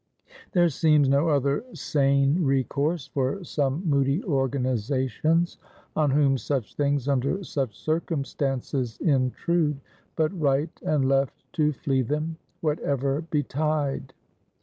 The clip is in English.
There seems no other sane recourse for some moody organizations on whom such things, under such circumstances intrude, but right and left to flee them, whatever betide.